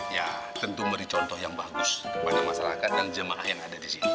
ya tentu memberi contoh yang bagus kepada masyarakat dan jemaah yang ada di sini